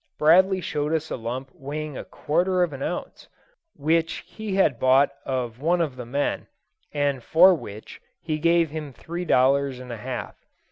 Bradley showed us a lump weighing a quarter of an ounce, which he had bought of one of the men, and for which he gave him three dollars and a half.